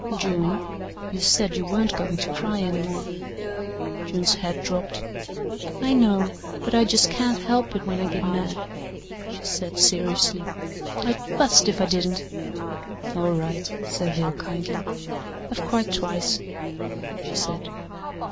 "June, you said you weren't going to cry any more." June's head drooped. "I know, but I jes' can't help it when I git mad," she said seriously. "I'd bust if I didn't." "All right," said Hale kindly. "I've cried twice," she said.